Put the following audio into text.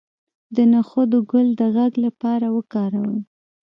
د نخود ګل د غږ لپاره وکاروئ